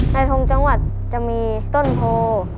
ทงจังหวัดจะมีต้นโพ